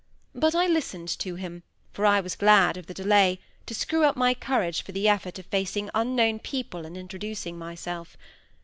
But I listened to him, for I was glad of the delay, to screw up my courage for the effort of facing unknown people and introducing myself.